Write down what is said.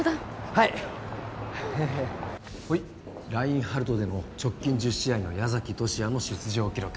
はいはいラインハルトでの直近１０試合の矢崎十志也の出場記録